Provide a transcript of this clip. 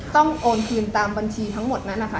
โอนคืนตามบัญชีทั้งหมดนั้นนะคะ